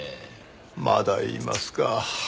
まだ言いますか。